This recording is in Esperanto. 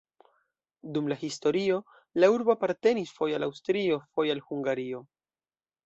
Dum la historio la urbo apartenis foje al Aŭstrio, foje al Hungario.